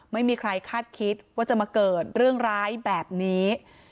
ไม่มีใครคาดคิดว่าจะมาเกิดเรื่องร้ายแบบนี้